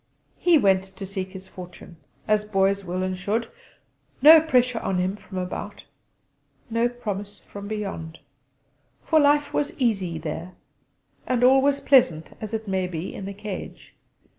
He went to seek his fortune, as boys will and should; no pressure on him from about; no promise from beyond. For life was easy there, and all was pleasant, as it may be in a cage.